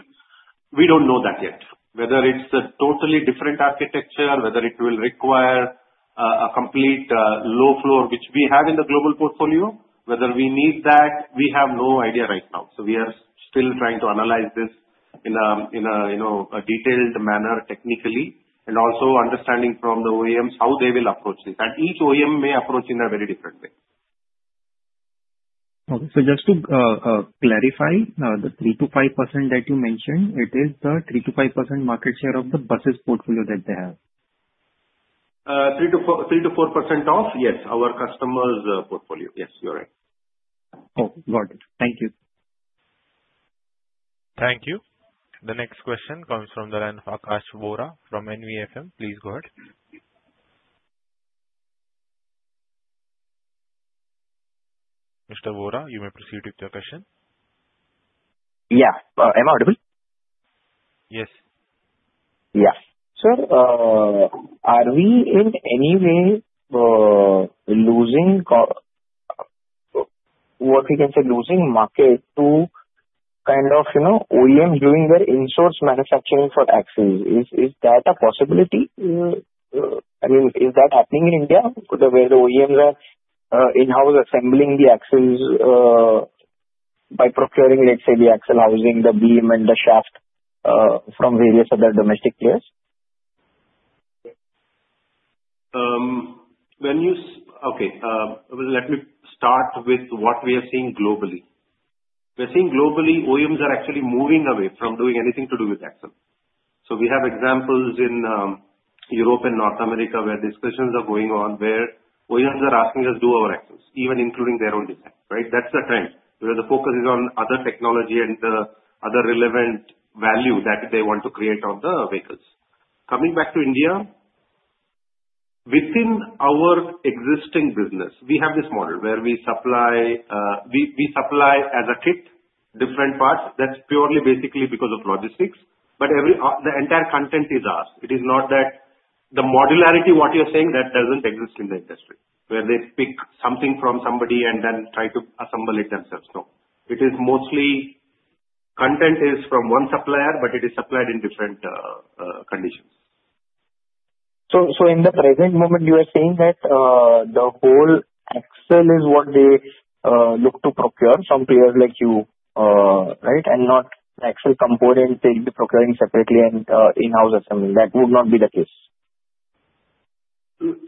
we don't know that yet. Whether it's a totally different architecture, whether it will require a complete low floor, which we have in the global portfolio. Whether we need that, we have no idea right now. So we are still trying to analyze this in a, you know, detailed manner technically, and also understanding from the OEMs, how they will approach this. Each OEM may approach in a very different way. Okay. So just to clarify, the 3%-5% that you mentioned, it is the 3%-5% market share of the buses portfolio that they have?... 3%-4%, 3%-4% of, yes, our customers portfolio. Yes, you're right. Okay, got it. Thank you. Thank you. The next question comes from the line of Akash Vora from Envision. Please go ahead. Mr. Vora, you may proceed with your question. Yeah. Am I audible? Yes. Yeah. Sir, are we in any way losing co- what we can say, losing market to kind of, you know, OEM doing their in-source manufacturing for axles? Is that a possibility, I mean, is that happening in India, where the OEMs are in-house assembling the axles by procuring, let's say, the axle housing, the beam and the shaft from various other domestic players? Let me start with what we are seeing globally. We're seeing globally, OEMs are actually moving away from doing anything to do with axle. So we have examples in Europe and North America, where discussions are going on, where OEMs are asking us, "Do our axles," even including their own design, right? That's the trend, where the focus is on other technology and the other relevant value that they want to create on the vehicles. Coming back to India, within our existing business, we have this model where we supply as a kit, different parts, that's purely basically because of logistics. The entire content is ours. It is not that the modularity, what you're saying, that doesn't exist in the industry, where they pick something from somebody and then try to assemble it themselves. No. It is mostly content is from one supplier, but it is supplied in different conditions. So in the present moment, you are saying that the whole axle is what they look to procure, some players like you, right? And not the actual component, they'll be procuring separately and in-house assembly. That would not be the case.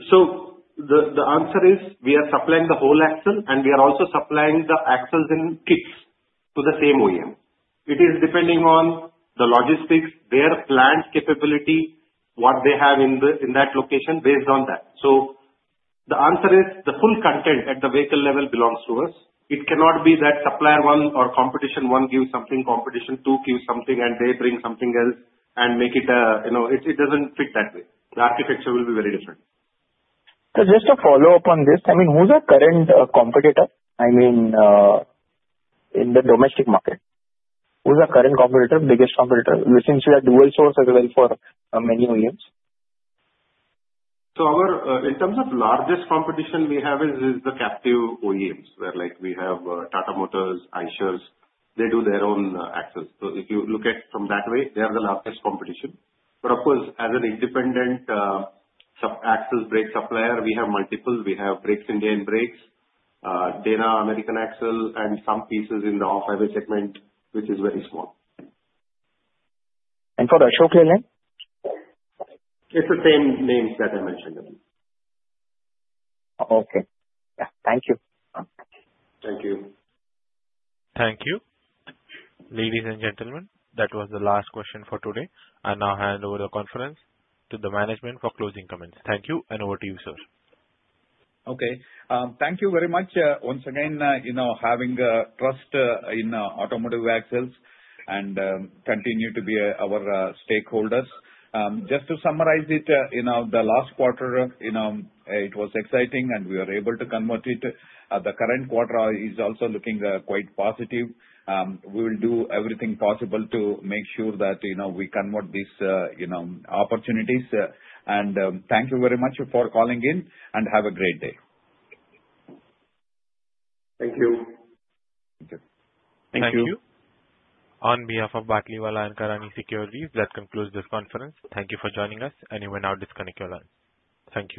So the answer is, we are supplying the whole axle and we are also supplying the axles in kits to the same OEM. It is depending on the logistics, their plant capability, what they have in that location, based on that. So the answer is, the full content at the vehicle level belongs to us. It cannot be that supplier one or competition one gives something, competition two gives something, and they bring something else and make it a... You know, it doesn't fit that way. The architecture will be very different. So just to follow up on this, I mean, who's our current competitor? I mean, in the domestic market, who's our current competitor, biggest competitor, since we are dual source as well for many OEMs? So our, in terms of largest competition we have is the captive OEMs, where, like, we have Tata Motors, Eicher, they do their own axles. So if you look at from that way, they are the largest competition. But of course, as an independent, sub axle brake supplier, we have multiple. We have Brakes India brakes, Dana, American Axle, and some pieces in the off-highway segment, which is very small. For the showroom name? It's the same names that I mentioned. Okay. Yeah, thank you. Thank you. Thank you. Ladies and gentlemen, that was the last question for today. I now hand over the conference to the management for closing comments. Thank you, and over to you, sir. Okay. Thank you very much, once again, you know, having trust in Automotive Axles and continue to be our stakeholders. Just to summarize it, you know, the last quarter, you know, it was exciting, and we are able to convert it. The current quarter is also looking quite positive. We will do everything possible to make sure that, you know, we convert these, you know, opportunities. And thank you very much for calling in, and have a great day. Thank you. Thank you. Thank you. On behalf of Batlivala & Karani Securities, that concludes this conference. Thank you for joining us, and you may now disconnect your lines. Thank you.